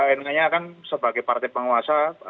enaknya kan sebagai partai penguasa